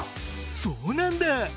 そうなんだ！